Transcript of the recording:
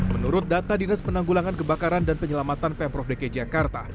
menurut data dinas penanggulangan kebakaran dan penyelamatan pemprov dki jakarta